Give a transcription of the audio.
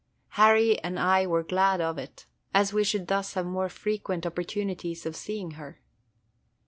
Harry and I were glad of it, as we should thus have more frequent opportunities of seeing her.